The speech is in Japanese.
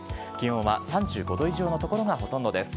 気温は３５度以上の所がほとんどです。